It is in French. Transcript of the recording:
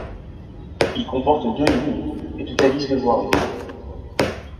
Il comporte deux lignes, et totalise de voiries.